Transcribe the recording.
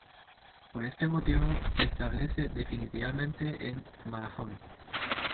Por este motivo, se establece definitivamente en Mahón.